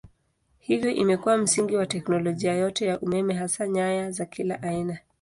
Hivyo imekuwa msingi wa teknolojia yote ya umeme hasa nyaya za kila aina.